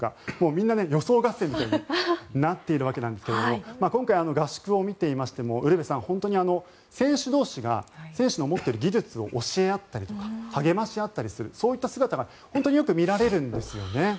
みんな予想合戦みたいになっているわけですが今回、合宿を見ていましてもウルヴェさん、選手同士が選手の持っている技術を教え合ったりとか励まし合ったりするそういう姿が本当によく見られるんですよね。